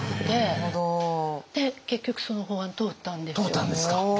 通ったんですか。